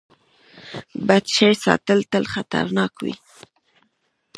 بد شی ساتل تل خطرناک وي.